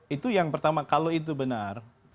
itu yang pertama kalau itu benar